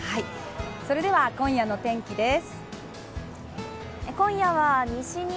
それでは今夜の天気です。